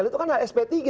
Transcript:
itu kan ada sp tiga